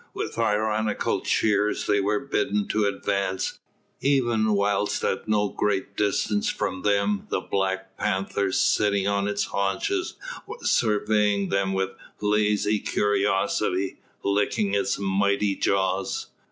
With ironical cheers they were bidden to advance, even whilst at no great distance from them the black panther sitting on its haunches was surveying them with lazy curiosity, licking its mighty jaws.